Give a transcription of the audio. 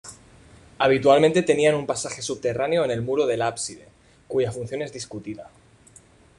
Habitualmente tenían un pasaje subterráneo en el muro del ábside, cuya función es discutida.